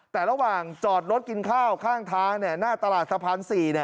แต่ระหว่างจอดรถกินข้าวข้างทางหน้าตลาดสะพาน๔